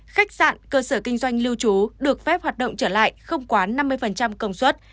khách sạn cơ sở kinh doanh lưu trú được phép hoạt động trở lại không quá năm mươi công suất